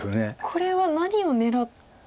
これは何を狙った？